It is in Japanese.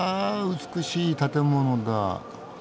美しい建物だ。